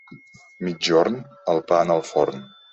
Migjorn? El pa en el forn.